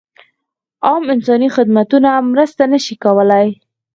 عام انساني خدمتونه مرسته نه شي کولای.